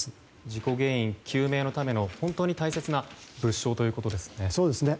事故原因究明のための大切な物証ということですね。